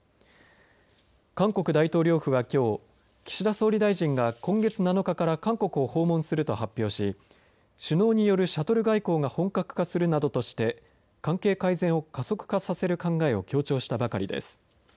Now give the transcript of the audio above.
韓国大統領府はきょう岸田総理大臣が今月７日から韓国を訪問すると発表し首脳によるシャトル外交が本格化するなどとして関係改善を加速化させる考えを強調したばかりです。